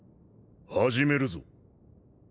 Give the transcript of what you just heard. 始めるぞ。